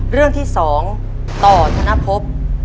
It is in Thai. เรื่องที่๒ต่อธนภพ